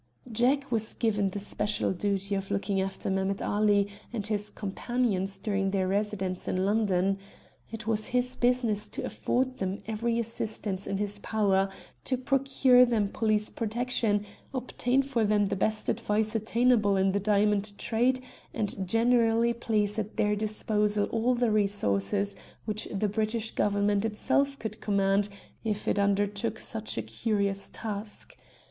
"Jack was given the special duty of looking after Mehemet Ali and his companions during their residence in London. It was his business to afford them every assistance in his power, to procure them police protection, obtain for them the best advice attainable in the diamond trade, and generally place at their disposal all the resources which the British Government itself could command if it undertook such a curious task.